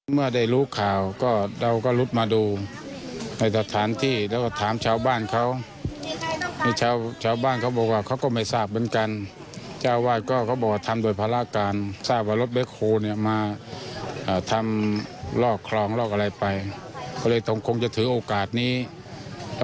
เขาก็บอกว่าอ้าวแล้วชาวบ้านรู้เรื่องกันหรือยัง